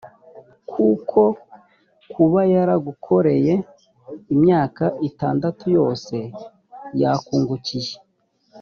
kuko kuba yaragukoreye imyaka itandatu yose, yakungukiye